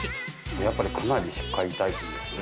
やっぱりかなりしっかりタイプですね。